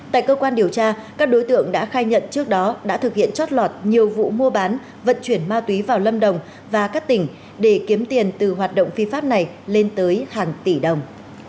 tại cơ quan điều tra các đối tượng đã khai nhận trước đó đã thực hiện trót lọt nhiều vụ mua bán vận chuyển ma túy vào lâm đồng và các tỉnh để kiếm tiền từ hoạt động phi pháp này lên tới hàng tỷ đồng